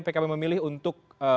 pkb memilih untuk